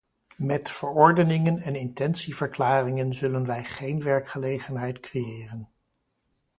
Met verordeningen en intentieverklaringen zullen wij geen werkgelegenheid creëren.